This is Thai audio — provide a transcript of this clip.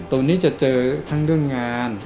ตรงนี้จะเจอทั้งเรื่องงาน